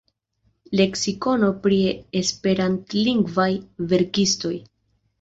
Leksikono pri Esperantlingvaj verkistoj.